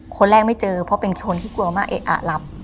คนแรกไม่เจอเพราะเป็นคนที่กลัวมากเอ๊ะอะหลับ